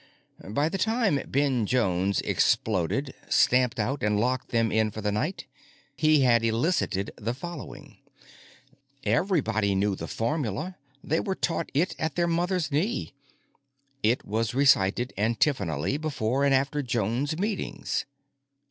By the time Ben Jones exploded, stamped out, and locked them in for the night, he had elicited the following: Everybody knew the formula; they were taught it at their mother's knee. It was recited antiphonally before and after Jones Meetings.